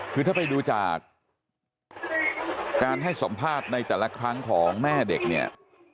คือถ้าไปดูจากการให้สัมภาษณ์ในแต่ละครั้งของแม่เด็กเนี่ย